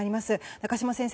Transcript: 中島先生